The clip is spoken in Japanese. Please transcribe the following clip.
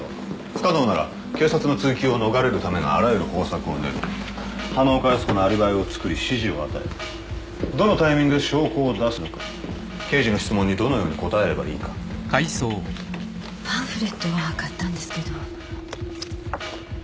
不可能なら警察の追及を逃れるためのあらゆる方策を練る花岡靖子のアリバイを作り指示を与えるどのタイミングで証拠を出すのか刑事の質問にどのように答えればいいかパンフレットは買ったんですけどあっ